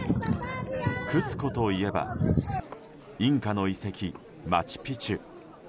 クスコといえばインカの遺跡、マチュピチュ。